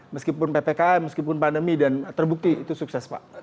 meskipun ppkm meskipun pandemi dan terbukti itu sukses pak